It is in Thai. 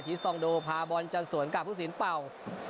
สตองโดพาบอลจันสวนกับผู้สินเป่า